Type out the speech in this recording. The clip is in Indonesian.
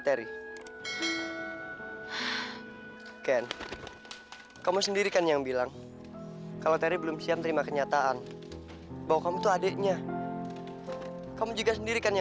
yarak kamu sendiri kan ada dirinya banyak banyak gaji semua tanpa mohon sayangnya